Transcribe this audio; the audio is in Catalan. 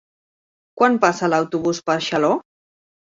Quan passa l'autobús per Xaló?